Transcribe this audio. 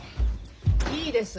いいです。